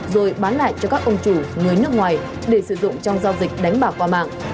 rồi bán lại cho các ông chủ người nước ngoài để sử dụng trong giao dịch đánh bạc qua mạng